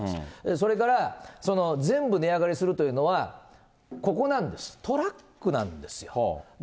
それから、全部値上がりするというのは、ここなんです、トラックなんですよ。